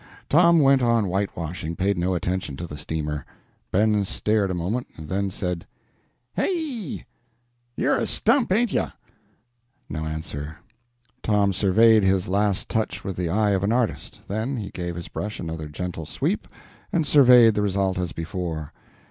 Tom went on whitewashing paid no attention to the steamer. Ben stared a moment, and then said "Hi yi! You're a stump, ain't you!" No answer. Tom surveyed his last touch with the eye of an artist; then he gave his brush another gentle sweep, and surveyed the result as before.